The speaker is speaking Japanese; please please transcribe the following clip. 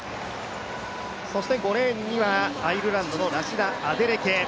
そして５レーンにはアイルランドのラシダ・アデレケ。